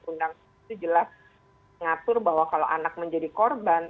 undang itu jelas mengatur bahwa kalau anak menjadi korban